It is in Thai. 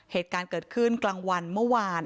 เหตุการณ์เกิดขึ้นกลางวันเมื่อวาน